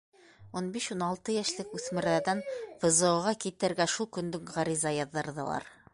Ун биш-ун алты йәшлек үҫмерҙәрҙән ФЗО-ға китергә шул көндө үк ғариза яҙҙырҙылар.